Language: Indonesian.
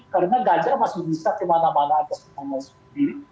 karena gajar masih bisa kemana mana atas ilama sendiri